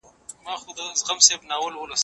زه به تکړښت کړی وي؟!